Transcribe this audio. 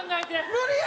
無理や！